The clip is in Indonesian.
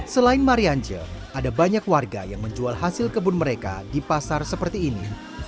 selain mariance ada banyak warga yang menjual hasil kebun mereka di pasar seperti ini